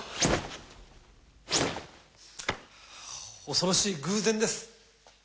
恐ろしい偶然です。